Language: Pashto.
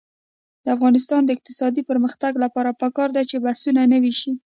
د افغانستان د اقتصادي پرمختګ لپاره پکار ده چې بسونه نوي شي.